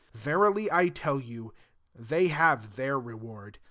Verily I tell you, they have their reward.